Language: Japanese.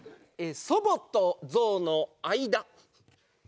祖母とゾウの間。